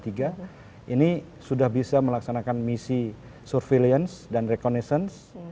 ini sudah bisa melaksanakan misi surveillance dan reconnistance